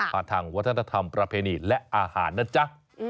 ทางวัฒนธรรมประเพณีและอาหารนะจ๊ะ